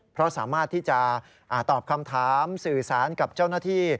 เพราะสามารถที่จะตอบคำถามสื่อสารกับเจ้าหน้าที่